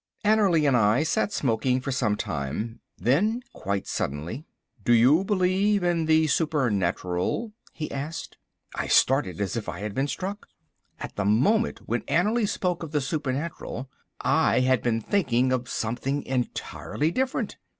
Annerly and I sat smoking for some time. Then quite suddenly— "Do you believe in the supernatural?" he asked. I started as if I had been struck. At the moment when Annerly spoke of the supernatural I had been thinking of something entirely different.